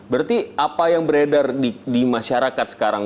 berarti apa yang beredar di masyarakat sekarang